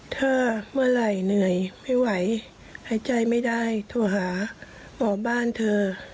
ถ้าเมื่อไหร่เหนื่อยไม่ไหวหายใจไม่ได้โทรหาหมอบ้านเธอ